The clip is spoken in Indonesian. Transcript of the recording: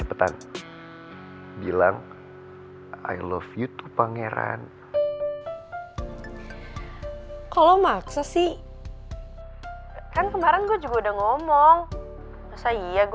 apalagi yang ngajak tante kan aku